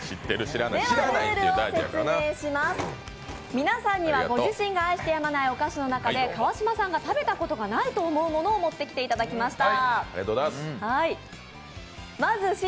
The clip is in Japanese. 皆さんにはご自身が愛してやまないお菓子の中で川島さんが食べたことのないと思うお菓子を持ってきていただきました。